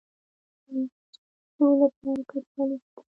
د چپسو لپاره کچالو شته؟